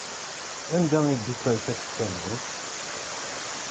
Anda i d-ufan tafekka-nni?